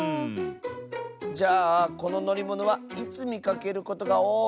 じゃあこののりものはいつみかけることがおおい？